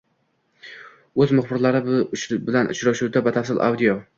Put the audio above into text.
uz muxbirlari bilan uchrashuvidan batafsil audio